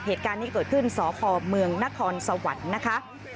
เหตุการณ์นี้เกิดขึ้นสพเมืองนครสวรรค์นะคะ